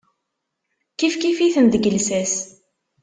Kifkif-iten deg llsas.